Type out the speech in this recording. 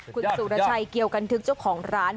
คุณสุรชัยเกียวกันทึกเจ้าของร้าน